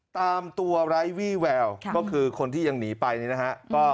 ตามตัวไร้วี่แววก็คือคนที่ยังหนีไปนี่นะฮะ